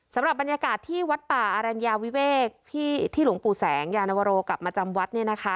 สำหรับบรรยากาศที่วัดป่าอรัญญาวิเวกที่หลวงปู่แสงยานวโรกลับมาจำวัดเนี่ยนะคะ